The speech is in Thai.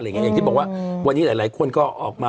อย่างที่บอกว่าวันนี้หลายคนก็ออกมา